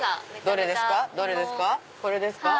どれですか？